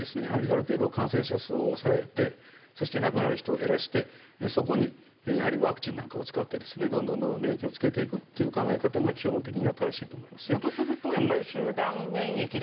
やはりある程度感染者数を抑えてそして亡くなる人を減らしてそこにやはりワクチンなんかを使ってですねどんどんどんどん免疫をつけていくっていう考え方が基本的には正しいと思いますよ。とするとやっぱり集団免疫。